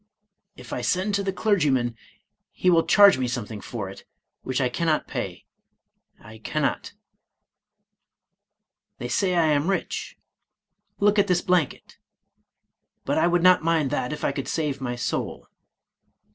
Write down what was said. " If I send to the clergyman, he will charge me something for it, which I cannot pay, — I cannot. They say I am rich, — look at this. 165 Irish Mystery Stories blanket; — but I would not mind that, if I could save my soul."